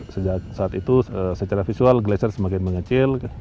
sejak saat itu secara visual glasir semakin mengecil